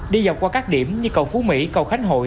đi dọc qua các điểm như cầu phú mỹ cầu khánh hội